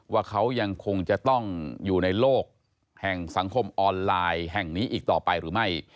ว่าเขายังคงจะต้องอยู่ในโลกแห่งสังคมออนไลน์แห่งนี้อีกต่อไปหรือไม่